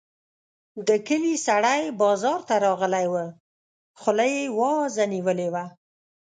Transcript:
د کلي سړی بازار ته راغلی وو؛ خوله يې وازه نيولې وه.